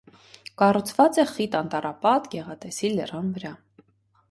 Կառուցուած է խիտ անտառապատ, գեղատեսիլ լերան վրայ։